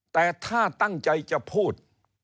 แต่ถ้าตั้งใจจะพูด